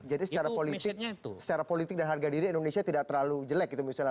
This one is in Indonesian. jadi secara politik dan harga diri indonesia tidak terlalu jelek gitu misalnya